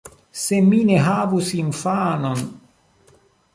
Se mi ne havus infanon!